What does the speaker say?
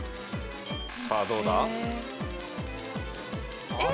さあどうだ？えっ？